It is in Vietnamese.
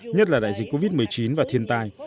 nhất là đại dịch covid một mươi chín và thiên tai